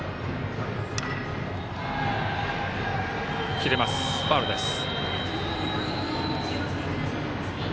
切れます、ファウルです。